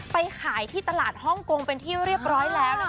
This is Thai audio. ไปขายที่ตลาดฮ่องกงเป็นที่เรียบร้อยแล้วนะคะ